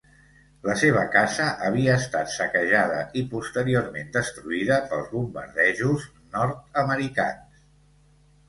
La seva casa havia estat saquejada i posteriorment destruïda pels bombardejos nord-americans.